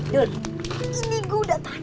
yuk ini gue udah tanya